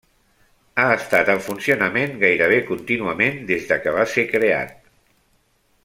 Ha estat en funcionament gairebé contínuament des que va ser creat.